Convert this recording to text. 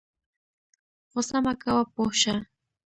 غوسه مه کوه پوه شه